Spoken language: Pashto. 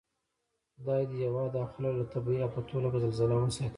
خدای دې هېواد او خلک له طبعي آفتو لکه زلزله وساتئ